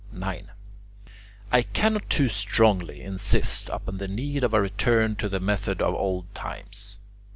9. I cannot too strongly insist upon the need of a return to the method of old times.